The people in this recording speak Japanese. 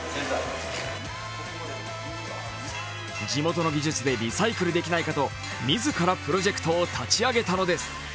地元の技術でリサイクルできないかと自らプロジェクトを立ち上げたのです。